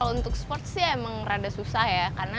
untuk sport sih emang rada susah ya